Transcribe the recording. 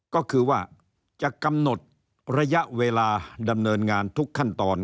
ก็คือว่าจะกำหนดระยะเวลาดำเนินงานทุกขั้นตอน